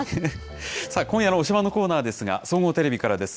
さあ、今夜の推しバン！のコーナーですが、総合テレビからです。